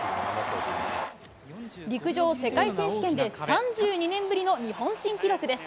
陸上世界選手権で３２年ぶりの日本新記録です。